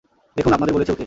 দেখুন, আপনাদের বলেছি, ওকে!